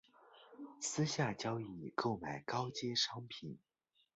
私下交易购买高阶商品